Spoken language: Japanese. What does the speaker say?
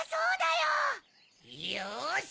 よし！